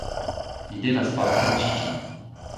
Ni devas fortranĉi ĝin